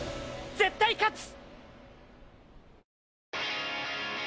絶対勝つ！